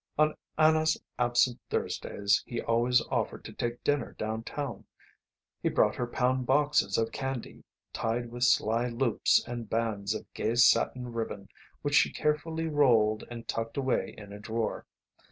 On Anna's absent Thursdays he always offered to take dinner downtown. He brought her pound boxes of candy tied with sly loops and bands of gay satin ribbon which she carefully rolled and tucked away in a drawer.